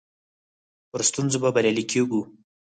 پر ستونزو به بريالي کيږو.